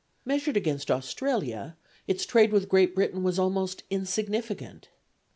Measured against Australia, its trade with Great Britain was almost insignificant.